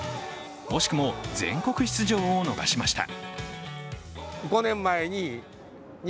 惜しくも全国出場を逃しました。